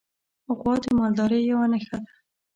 غوا د مالدارۍ یوه نښه ده.